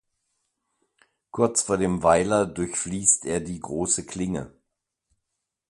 Kurz vor dem Weiler durchfließt er die Große Klinge.